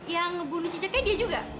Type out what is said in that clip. yang bunuh cicaknya dia juga